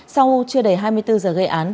sau chưa đầy hai mươi bốn giờ gây án